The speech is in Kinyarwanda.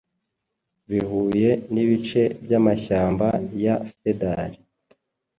bihuye nibice byamashyamba ya Cedar